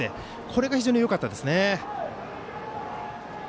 これが非常によかったですね。